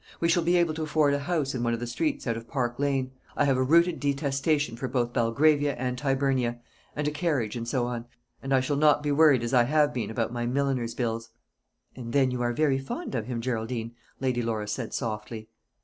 We shall be able to afford a house in one of the streets out of Park Lane I have a rooted detestation for both Belgravia and Tyburnia and a carriage, and so on; and I shall not be worried as I have been about my milliner's bills." "And then you are very fond of him, Geraldine," Lady Laura said, softly.